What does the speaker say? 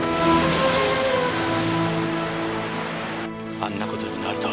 あんなことになるとは。